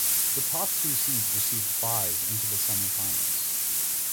The top two seeds received byes into the semifinals.